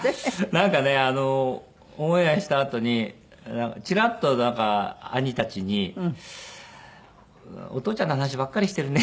なんかねオンエアしたあとにチラッと兄たちに「お父ちゃんの話ばっかりしてるね」